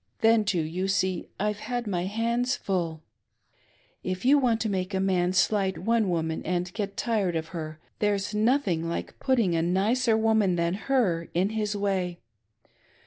Then, too, you see I've had my hands fiill. If you want to make a man slight one woman and get tired of her, there's nothing like putting a nicer woman than her in his way.